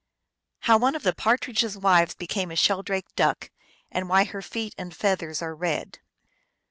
Hoiv one of the Partridge s Wives became a Sheldrake Duck, and why her Feet and Feathers are Red.